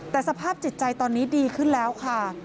แต่สภาพจิตใจตอนนี้ดีขึ้นแล้วค่ะ